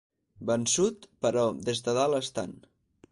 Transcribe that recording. Vençut, però des de dalt estant.